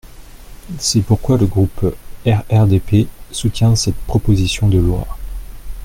C’est pourquoi le groupe RRDP soutient cette proposition de loi.